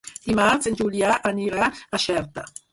Dimarts en Julià anirà a Xerta.